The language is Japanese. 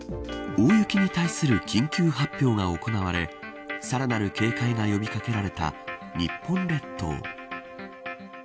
大雪に対する緊急発表が行われさらなる警戒が呼び掛けられた日本列島。